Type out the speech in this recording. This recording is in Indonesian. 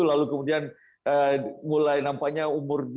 lalu kemudian mulai nampaknya umur lima puluh